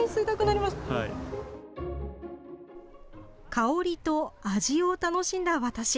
香りと味を楽しんだ私。